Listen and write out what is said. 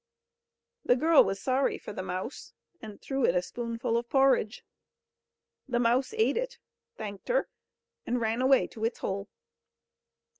The girl was sorry for the mouse, and threw it a spoonful of porridge. The mouse ate it, thanked her, and ran away to its hole.